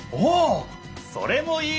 それもいいね！